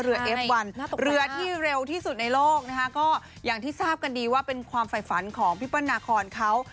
เอฟวันเรือที่เร็วที่สุดในโลกนะคะก็อย่างที่ทราบกันดีว่าเป็นความฝ่ายฝันของพี่เปิ้ลนาคอนเขา